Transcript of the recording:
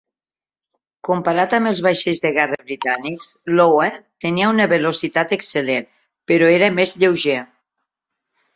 Comparat amb els vaixells de guerra britànics, l'"Iowa" tenia una velocitat excel·lent, però era més lleuger.